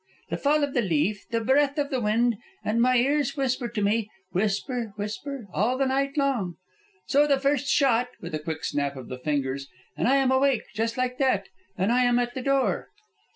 The fall of the leaf, the breath of the wind, and my ears whisper to me, whisper, whisper, all the night long. So, the first shot," with a quick snap of the fingers, "and I am awake, just like that, and I am at the door." St.